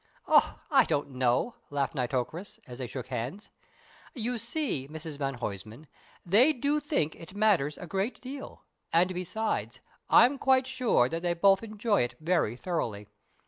"Oh, I don't know," laughed Nitocris, as they shook hands. "You see, Mrs van Huysman, they do think it matters a great deal, and, besides, I'm quite sure that they both enjoy it very thoroughly.